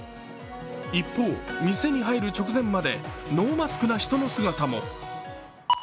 一方、店に入る直前までノーマスクな人の姿も。